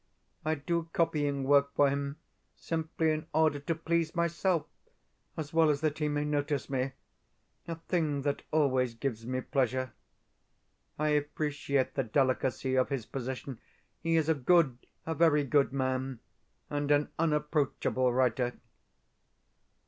I do copying work for him simply in order to please myself, as well as that he may notice me a thing that always gives me pleasure. I appreciate the delicacy of his position. He is a good a very good man, and an unapproachable writer.